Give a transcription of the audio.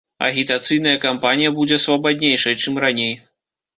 Агітацыйная кампанія будзе свабаднейшай, чым раней.